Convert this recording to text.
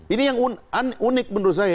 ini yang unik menurut saya